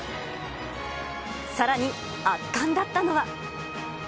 さらに圧巻だったのは。